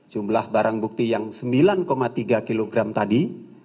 jumlah barang bukti yang sembilan tiga kg tadi